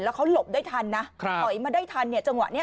แล้วเขาหลบได้ทันนะถอยมาได้ทันเนี่ยจังหวะนี้